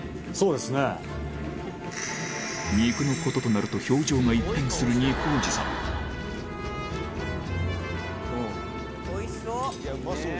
肉のこととなると表情が一変する肉おじさんおいしそう！